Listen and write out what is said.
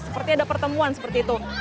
seperti ada pertemuan seperti itu